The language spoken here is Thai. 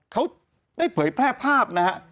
เขาได้เผยแพร่ภาพนะฮะ